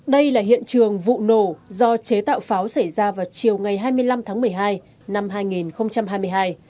đây là hiện trường vụ nổ do chế tạo pháo xảy ra vào chiều ngày hai mươi năm tháng một mươi hai năm hai nghìn hai mươi hai